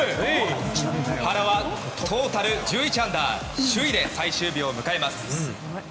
原はトータル１１アンダー首位で最終日を迎えます。